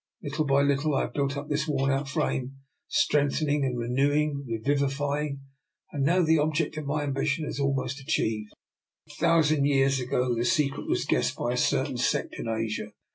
Little by little I have built up this worn out frame, strengthen ing, renewing, revivifying, and now the ob ject of my ambition is almost achieved. A thousand years ago the secret was guessed by a certain sect in Asia.